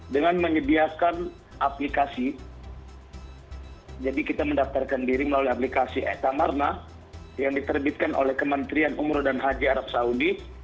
dengan menyediakan aplikasi jadi kita mendaftarkan diri melalui aplikasi etamarna yang diterbitkan oleh kementerian umroh dan haji arab saudi